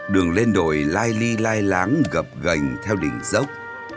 đường lên đồi lai ly lai láng gập gành theo đỉnh dốc